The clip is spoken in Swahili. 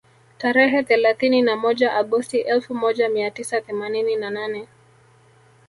Tarehe thelathini na moja Agosti elfu moja mia tisa themanini na nane